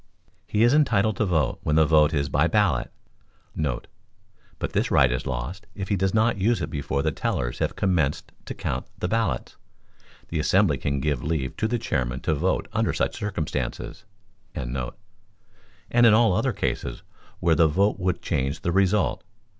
He is entitled to vote when the vote is by ballot,* [But this right is lost if he does not use it before the tellers have commenced to count the ballots. The assembly can give leave to the chairman to vote under such circumstances.] and in all other cases where the vote would change the result.